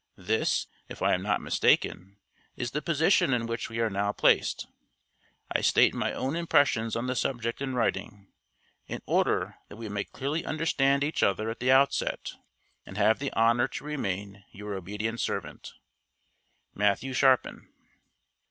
This, if I am not mistaken, is the position in which we are now placed. I state my own impressions on the subject in writing, in order that we may clearly understand each other at the outset; and have the honor to remain your obedient servant, MATTHEW SHARPIN.